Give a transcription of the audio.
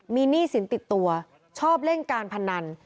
มีหนี้สินติดตัวชอบเล่นการพนัน